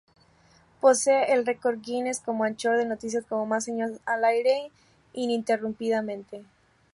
Posee el Record Guinness como "Anchor de noticias con más años al aire ininterrumpidamente".